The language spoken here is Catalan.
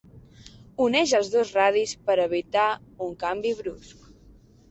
Uneix els dos radis per a evitar un canvi brusc.